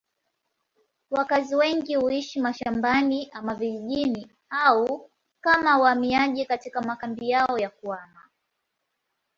Wakazi wengi huishi mashambani ama vijijini au kama wahamiaji katika makambi yao ya kuhama.